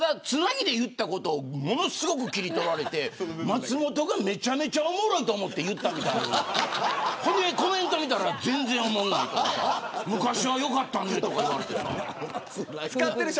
つなぎで言ったことをものすごく切り取られて松本がめちゃめちゃおもろいと思って言ったみたいなそれでコメントを見たら全然おもんないとか昔は良かったとか言われて。